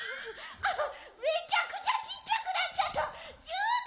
アハッめちゃくちゃちっちゃくなっちゃった。